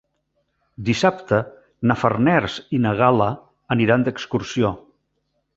Dissabte na Farners i na Gal·la aniran d'excursió.